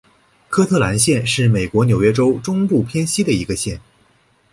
科特兰县是美国纽约州中部偏西的一个县。